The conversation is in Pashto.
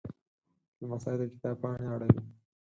لمسی د کتاب پاڼې اړوي.